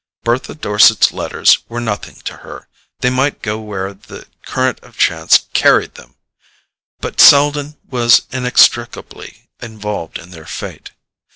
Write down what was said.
Bertha Dorset's letters were nothing to her—they might go where the current of chance carried them! But Selden was inextricably involved in their fate.